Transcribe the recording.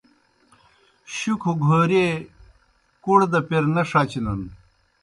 شُکھہ گھورئیے کوْڑ دہ پیر نہ ݜچنَن